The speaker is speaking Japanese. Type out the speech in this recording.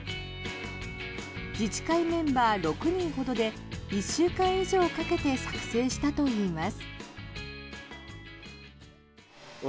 自治会メンバー６人ほどで１週間以上かけて作製したといいます。